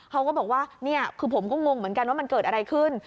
เขาก็บอกว่านี่คือผมก็งงเหมือนกันว่ามันเกิดอะไรขึ้น